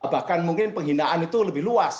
bahkan mungkin penghinaan itu lebih luas